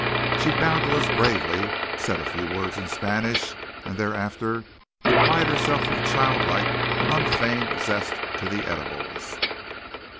She bowed to us gravely, said a few words in Spanish, and thereafter applied herself with childlike and unfeigned zest to the edibles.